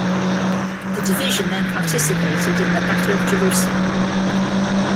The division then participated in the Battle of Jerusalem.